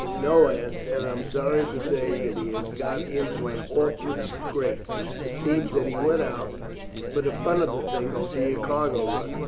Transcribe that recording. "No, Aunt; and I am sorry to say that he has got into an awkward scrape. It seems that he went out, for the fun of the thing, to see a cargo run.